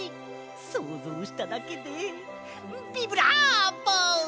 そうぞうしただけでビブラーボ！